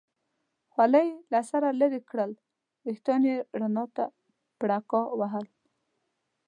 خولۍ یې له سره لرې کړل، وریښتانو یې رڼا ته پړکا وهل.